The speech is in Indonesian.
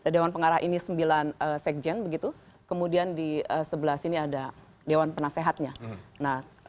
dewan pengarah ini sembilan sekjen begitu kemudian di sebelah sini ada dewan penasehatnya nah